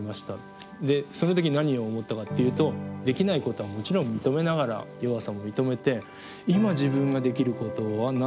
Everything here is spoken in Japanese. その時に何を思ったかっていうとできないことはもちろん認めながら弱さも認めて今自分ができることは何なのか。